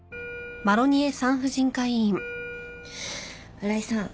荒井さん